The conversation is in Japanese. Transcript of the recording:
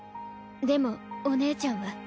でもお姉ちゃんは。